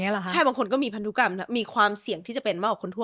เหมือนเป็นพันธุกรรมอย่างนี้หรอครับ